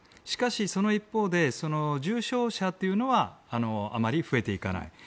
しかし、その一方で重症者というのはあまり増えていかない。